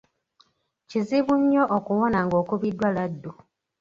Kizibu nnyo okuwona ng'okubiddwa laddu.